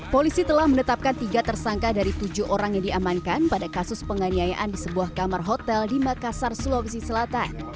polisi telah menetapkan tiga tersangka dari tujuh orang yang diamankan pada kasus penganiayaan di sebuah kamar hotel di makassar sulawesi selatan